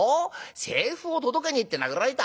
財布を届けに行って殴られた？